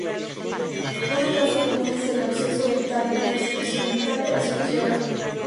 Una causa común es el absceso dental, la extracción dental o la cirugía oral.